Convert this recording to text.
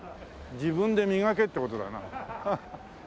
自分で磨けって事だな。